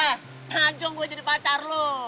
eh ajong gue jadi pacar lu